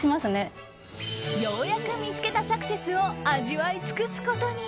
ようやく見つけたサクセスを味わい尽くすことに。